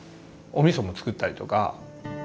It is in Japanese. おみそも造ったりとか。